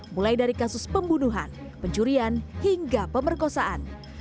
mulai dari kasus pembunuhan pencurian hingga pemerkosaan